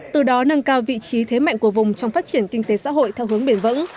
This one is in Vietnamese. từ đó nâng cao vị trí thế mạnh của vùng trong phát triển kinh tế xã hội theo hướng bền vững